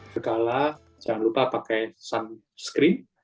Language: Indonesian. segala jangan lupa pakai sunscreen